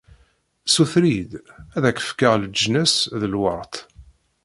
Ssuter-iyi-d, ad ak-fkeɣ leǧnas d lweṛt.